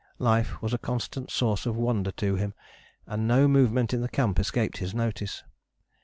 Life was a constant source of wonder to him, and no movement in the camp escaped his notice.